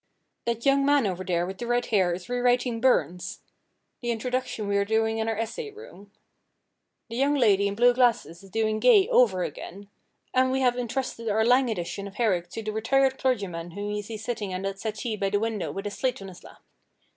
That young man over there with red hair is rewriting Burns the introduction we are doing in our essay room. The young lady in blue glasses is doing Gay over again; and we have intrusted our Lang edition of Herrick to the retired clergyman whom you see sitting on that settee by the window with a slate on his lap.